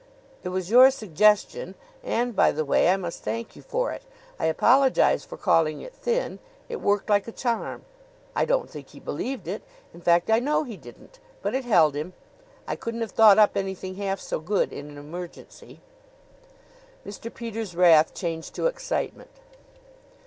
"It was your suggestion; and, by the way, I must thank you for it. I apologize for calling it thin. It worked like a charm. I don't think he believed it in fact, I know he didn't; but it held him. I couldn't have thought up anything half so good in an emergency." Mr. Peters' wrath changed to excitement.